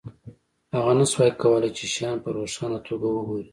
هغه نشوای کولی چې شیان په روښانه توګه وګوري